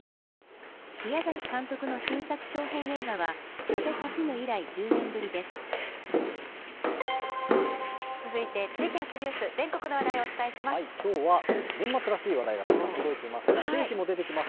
宮崎監督の新作長編映画は、風立ちぬ以来、続いて地域発ニュース、全国きょうは、年末らしい話題がたくさん届いていますが、ケーキも出てきます。